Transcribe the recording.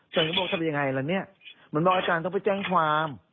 ฉันก็บอกทำยังไงล่ะเนี่ยเหมือนบอกอาจารย์ต้องไปแจ้งความ